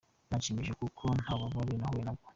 Birashimishije kuko nta bubabare nahuye nabwo.